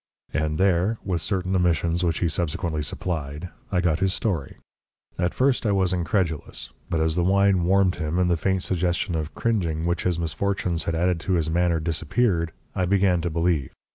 And there with certain omissions which he subsequently supplied I got his story. At first I was incredulous, but as the wine warmed him, and the faint suggestion of cringing which his misfortunes had added to his manner disappeared, I began to believe.